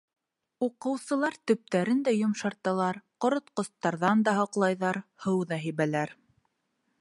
Уҡыусылар төптәрен дә йомшарталар, ҡоротҡостарҙан да һаҡлайҙар, һыу ҙа һибәләр...